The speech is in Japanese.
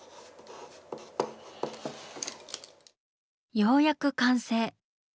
ようやく完成。